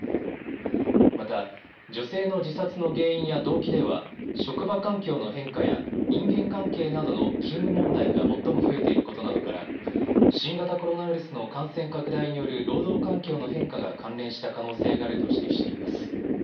また、女性の自殺の原因や動機では職場環境の変化や人間関係などの勤務問題が最も増えていることなどから新型コロナウイルスの感染拡大による労働環境の変化が関連した可能性があると指摘しています。